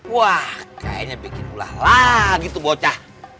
wah kayaknya bikin ulah lah gitu bocah